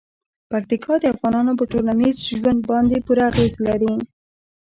پکتیکا د افغانانو په ټولنیز ژوند باندې پوره اغېز لري.